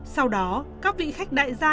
sau đó các vị khách đại gia